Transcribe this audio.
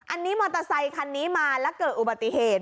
อันนี้มอเตอร์ไซคันนี้มาแล้วเกิดอุบัติเหตุ